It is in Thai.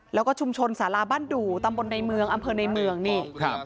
แล้วก็ชุมชนสาาราบ้านดู่ตามบนอำเภอในเมืองนี่